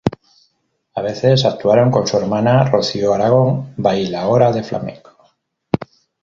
A veces actuaron con su hermana Rocío Aragón, bailaora de flamenco.